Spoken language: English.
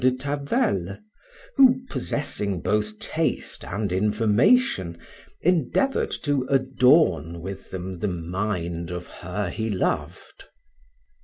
de Tavel, who, possessing both taste and information, endeavored to adorn with them the mind of her he loved.